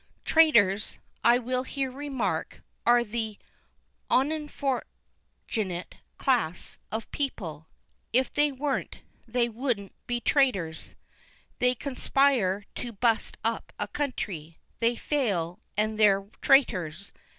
Traters, I will here remark, are an onforchunit class of pe'ple. If they wasn't, they wouldn't be traters. They conspire to bust up a country they fail, and they're traters.